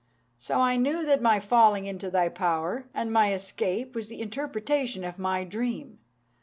So I knew that my falling into thy power and my escape was the interpretation of my dream.